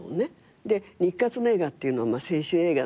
で日活の映画っていうのは青春映画だった。